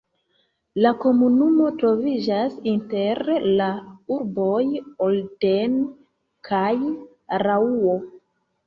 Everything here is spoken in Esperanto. La komunumo troviĝas inter la urboj Olten kaj Araŭo.